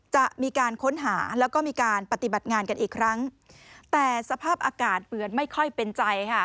จะมีการค้นหาแล้วก็มีการปฏิบัติงานกันอีกครั้งแต่สภาพอากาศเปลือนไม่ค่อยเป็นใจค่ะ